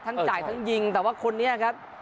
จ่ายทั้งยิงแต่ว่าคนนี้ครับ